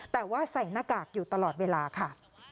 แต่ว่าใส่หน้ากากอยู่ตลอดเวลาค่ะ